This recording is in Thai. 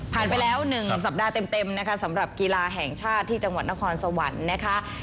ไปแล้ว๑สัปดาห์เต็มนะคะสำหรับกีฬาแห่งชาติที่จังหวัดนครสวรรค์นะคะ